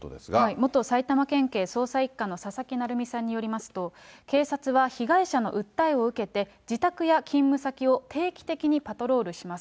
元埼玉県警捜査１課の佐々木成三さんによりますと、警察は被害者の訴えを受けて、自宅や勤務先を定期的にパトロールします。